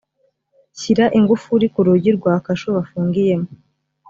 shyira ingufuri ku rugi rwa kasho bafungiyemo